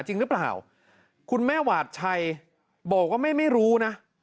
จริงหรือเปล่าคุณแม่หวาดชัยบอกว่าไม่รู้นะ